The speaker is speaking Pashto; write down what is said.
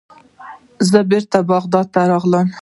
زه بیرته بغداد ته راغلم.